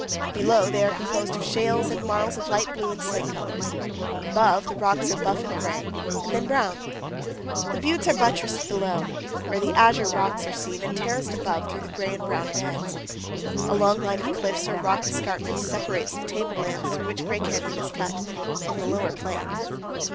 Below, they are composed of shales and marls of light blue and slate colors; above, the rocks are buff and gray, and then brown. The buttes are buttressed below, where the azure rocks are seen, and terraced above through the gray and brown beds. A long line of cliffs or rock escarpments separates the table lands through which Gray Canyon is cut, from the lower plain.